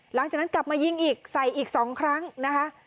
หลังจากนั้นกลับมายิงอีกใส่อีก๒ครั้งนะคะ